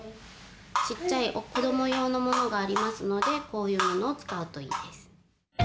ちっちゃいこども用のものがありますのでこういうものを使うといいです。